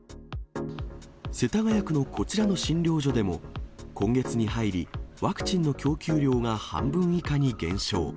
世田谷区のこちらの診療所でも、今月に入り、ワクチンの供給量が半分以下に減少。